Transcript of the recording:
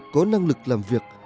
có năng lực làm việc